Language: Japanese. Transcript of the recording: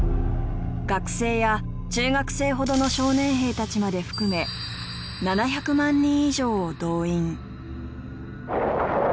学生や中学生ほどの少年兵たちまで含め７００万人以上を動員。